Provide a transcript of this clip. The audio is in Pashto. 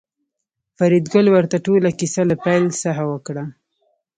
فریدګل ورته ټوله کیسه له پیل څخه وکړه